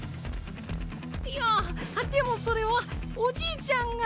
いやでもそれはおじいちゃんが。